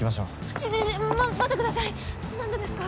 ちょちょちょま待ってください何でですか？